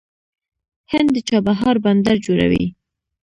هند د چابهار بندر جوړوي.